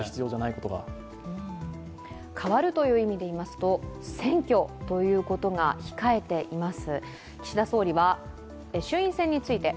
変わるという意味でいいますと選挙が控えています。